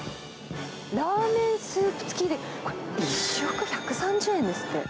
ラーメンスープ付きで１食１３０円ですって。